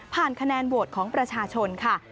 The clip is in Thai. ผ่านคะแนนโบสถ์ของประชาชนค่ะ